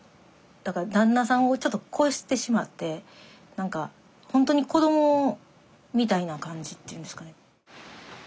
だから旦那さんをちょっと超してしまって何か本当に子どもみたいな感じっていうんですかね。